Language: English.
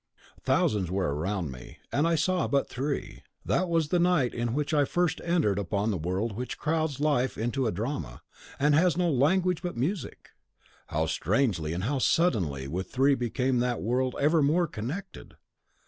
Thousands were around me, and I saw but thee. That was the night in which I first entered upon the world which crowds life into a drama, and has no language but music. How strangely and how suddenly with thee became that world evermore connected!